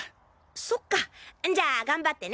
そっかじゃ頑張ってね。